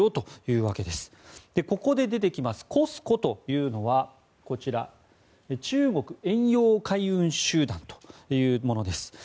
ここで出てきますＣＯＳＣＯというのはこちら、中国遠洋海運集団というものです。